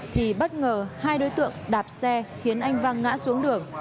thì bất ngờ hai đối tượng đạp xe khiến anh văng ngã xuống đường